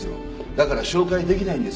だから紹介出来ないんです。